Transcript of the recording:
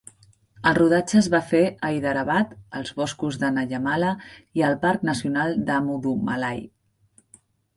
El rodatge es va fer a Hyderabad, als boscos de Nallamala i al parc nacional de Mudumalai.